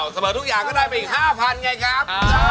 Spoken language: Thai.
สำเบิดทุกอย่างก็ได้ไปอีก๕๐๐๐เนี่ยครับ